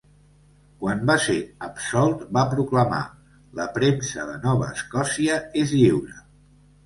Quan va ser absolt, va proclamar: "la premsa de Nova Escòcia és lliure".